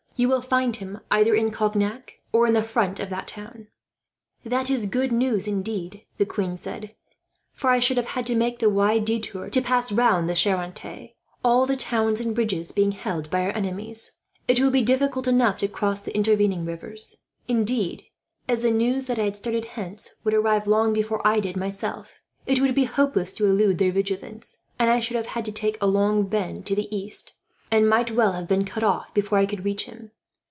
You will find him either in Cognac, or in front of that town." "That is good news, indeed," the queen said, "for I should have had to make a wide detour to pass round the Charente, all the towns and bridges being held by our enemies. It will be difficult enough to cross the intervening rivers. Indeed, as the news that I had started hence would arrive, long before I did myself, it would be hopeless to elude their vigilance; and I should have had to make a long bend to the east, and might well have been cut off before I could reach him.